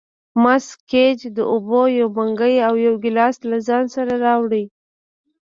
مس ګېج د اوبو یو منګی او یو ګیلاس له ځان سره راوړ.